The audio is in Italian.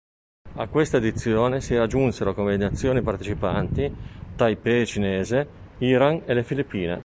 A questa edizione si aggiunsero come nazioni partecipanti: Taipei Cinese, Iran e le Filippine.